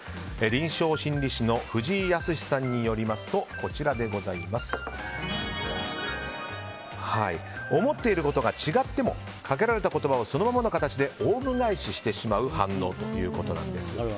臨床心理士の藤井靖さんによりますと思っていることが違ってもかけられた言葉をそのままの形でオウム返ししてしまう反応ということです。